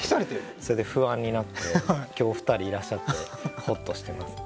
それで不安になって今日お二人いらっしゃってホッとしてます。